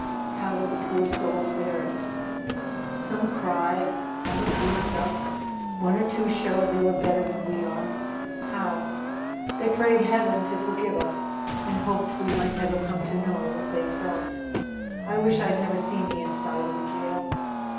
"How did the poor souls bear it?" "Some cried, some abused us, one or two showed they were better than we are." "How?" "They prayed Heaven to forgive us and hoped we might never come to know what they felt. I wish I'd never seen the inside of a jail.